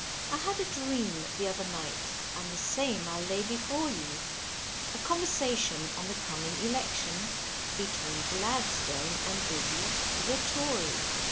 I had a dream the other night; and the same I'll lay before ye, A conversation on the coming election, between Gladstone and Dizzy, the Tory.